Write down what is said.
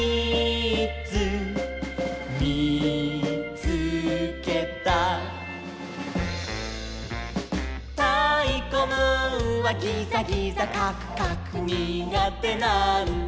つけた」「たいこムーンはギザギザカクカクにがてなんだ」